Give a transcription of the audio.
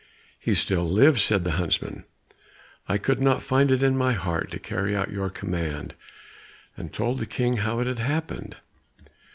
"He still lives," said the huntsman, "I could not find it in my heart to carry out your command," and told the King how it had happened.